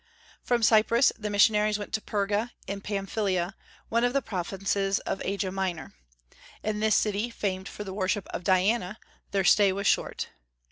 From Cyprus the missionaries went to Perga, in Pamphylia, one of the provinces of Asia Minor. In this city, famed for the worship of Diana, their stay was short.